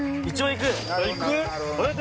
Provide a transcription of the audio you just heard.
いく？